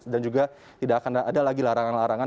dan juga tidak akan ada lagi larangan larangan